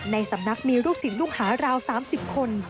ในสำนักมีลูกสินลุงหาราว๓๐คน